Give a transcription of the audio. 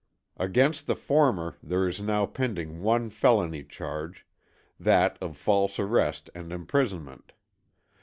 Against the former there is now pending one felony charge, that of false arrest and imprisonment.